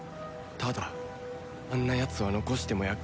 ただあんなやつは残しても厄介。